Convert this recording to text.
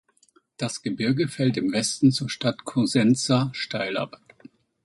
Das Gebirge fällt im Westen zur Stadt Cosenza steil ab.